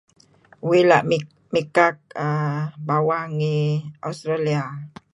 Uih la' mikak err bawang ngi Australia.